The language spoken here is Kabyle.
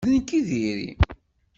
D nekk i diri.